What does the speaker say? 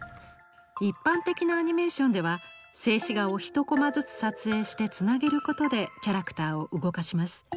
一般的なアニメーションでは静止画を１コマずつ撮影してつなげることでキャラクターを動かします。